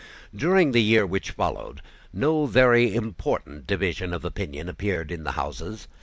During the year which followed, no very important division of opinion appeared in the Houses.